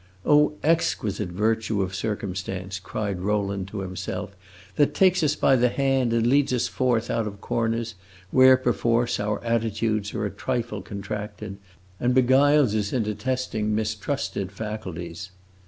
"Oh exquisite virtue of circumstance!" cried Rowland to himself, "that takes us by the hand and leads us forth out of corners where, perforce, our attitudes are a trifle contracted, and beguiles us into testing mistrusted faculties!"